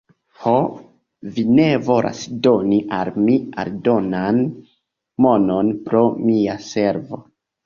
"Ho, vi ne volas doni al mi aldonan monon pro mia servo?"